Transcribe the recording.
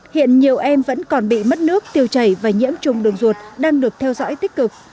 hiện nhiều em vẫn còn bị mất nước tiêu chảy và nhiễm trùng đường ruột đang được theo dõi tích cực